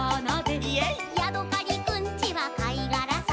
「ヤドカリくんちはかいがらさ」